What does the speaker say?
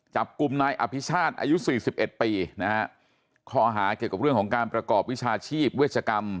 จับกลุ่มนายอภิชาติอายุสี่สิบเอ็ดปีนะฮะข้อหาเกี่ยวกับเรื่องของการประกอบวิชาชีพเวชกรรม